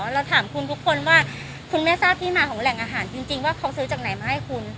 เราถามคุณทุกคนว่าคุณแม่ทราบที่มาของแหล่งอาหารจริงว่าเขาซื้อจากไหนมาให้คุณ